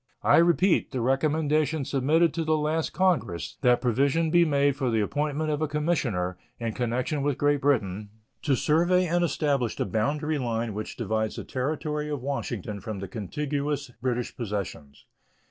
I repeat the recommendation submitted to the last Congress, that provision be made for the appointment of a commissioner, in connection with Great Britain, to survey and establish the boundary line which divides the Territory of Washington from the contiguous British possessions.